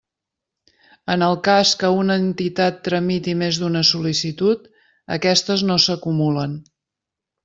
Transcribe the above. En el cas que una entitat tramiti més d'una sol·licitud, aquestes no s'acumulen.